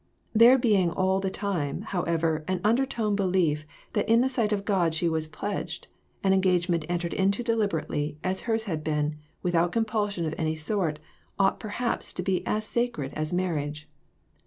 There being all the time, however, an undertone belief that in the sight of God she was pledged ; an engagement entered into deliberately, as hers had been, without compulsion of any sort, ought perhaps to be as sacred as marriage.